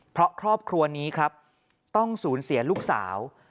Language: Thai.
เพราะครอบครัวนี้ครับต้องสูญเสียลูกสาว